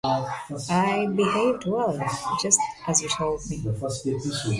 I behaved well, just as you told me.